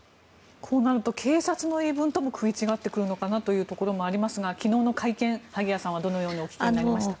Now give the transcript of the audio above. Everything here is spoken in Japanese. こうなると警察の言い分とも食い違ってくるのかなと思いますが昨日の会見を萩谷さんはどのようにお聞きになりましたか。